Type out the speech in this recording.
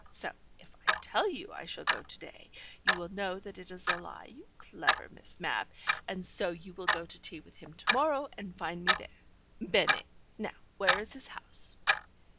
So if I tell you I shall go to day, you will know that it is a lie, you clever Miss Mapp, and so you will go to tea with him to morrow and find me there. Bene! Now where is his house?"